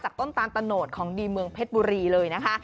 ต้นตาลตะโนดของดีเมืองเพชรบุรีเลยนะคะ